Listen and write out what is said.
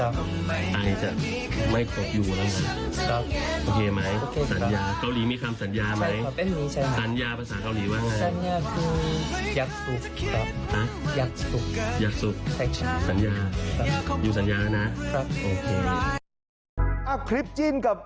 ได้จะไม่ครบอยู่ละครับ